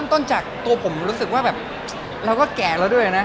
ต้นจากตัวผมรู้สึกว่าแบบเราก็แก่แล้วด้วยนะ